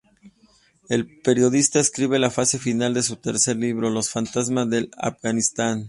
La periodista escribe la fase final de su tercer libro, "Los fantasmas de Afganistán".